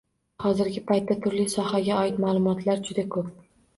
Hozirgi paytda turli sohaga oid ma’lumotlar juda ko‘p.